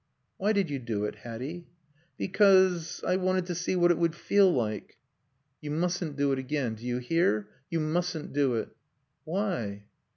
"Why did you do it, Hatty?" "Because I wanted to see what it would feel like." "You mustn't do it again. Do you hear? you mustn't do it." "Why?"